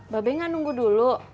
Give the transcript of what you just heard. ba ben ga nunggu dulu